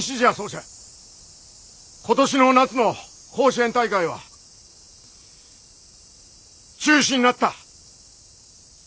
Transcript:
今年の夏の甲子園大会は中止になった。